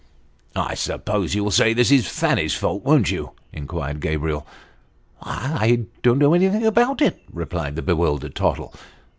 " I suppose you'll say this is Fanny's fault, won't you ?" inquired Gabriel. " I don't know anything about it," replied the bewildered Tottle.